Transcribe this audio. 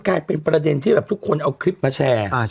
กลายเป็นประเด็นที่แบบทุกคนเอาคลิปมาแชร์